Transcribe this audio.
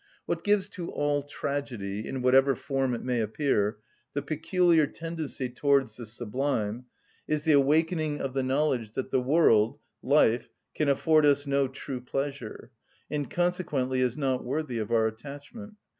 What gives to all tragedy, in whatever form it may appear, the peculiar tendency towards the sublime is the awakening of the knowledge that the world, life, can afford us no true pleasure, and consequently is not worthy of our attachment.